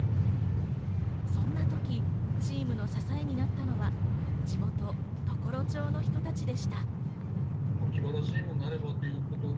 そんな時、チームの支えになったのは地元・常呂町の人たちでした。